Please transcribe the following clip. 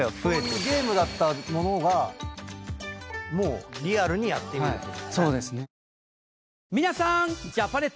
ゲームだったものがリアルにやってみるってことだね。